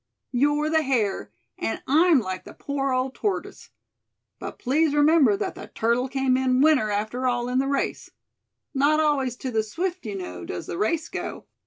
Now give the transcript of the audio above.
You're the hare, and I'm like the poor old tortoise; but please remember that the turtle came in winner after all in the race. Not always to the swift, you know, does the race go.